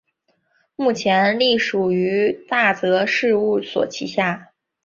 目前隶属于大泽事务所旗下。